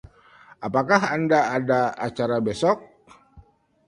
Apakah Anda ada acara besok?